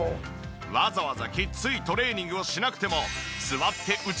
わざわざきついトレーニングをしなくても。